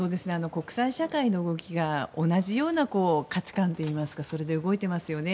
国際社会の動きが同じような価値観といいますかそれで動いていますよね。